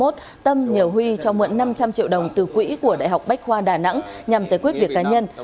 tâm nhờ huy cho mượn năm trăm linh triệu đồng từ quỹ của đại học bách khoa đà nẵng nhằm giải quyết việc cá nhân